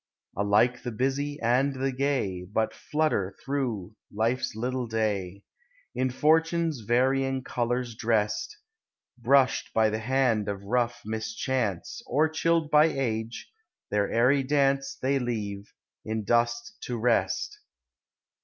Alike the busy and the gay But flutter through life's little day, In Fortune's varying colors drest : Brushed by the hand of rough mischance Or chilled by age, their airy dance They leave, in dust to rest.